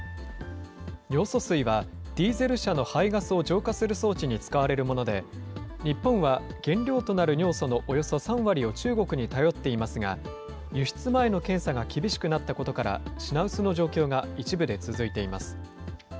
尿素水は、ディーゼル車の排ガスを浄化する装置に使われるもので、日本は原料となる尿素のおよそ３割を中国に頼っていますが、輸出前の検査が厳しくなったことから、品薄の状況が一部で続いています。